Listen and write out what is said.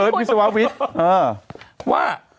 เอิ้ดวิทยาวิทย์